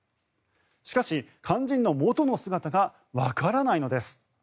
しかし、肝心の元の姿がわからないのです。